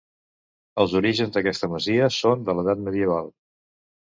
Els orígens d'aquesta masia són de l'edat medieval.